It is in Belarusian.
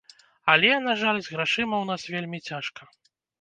Але, на жаль, з грашыма ў нас вельмі цяжка.